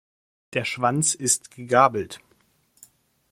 Der Schwanz ist gegabelt.